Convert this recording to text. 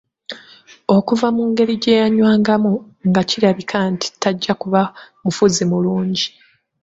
Okuva mu ngeri gye yanywangamu, nga kirabika nti tajja kuba mufuzi mulungi.